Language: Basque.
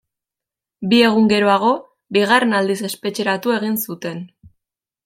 Bi egun geroago, bigarren aldiz espetxeratu egin zuten.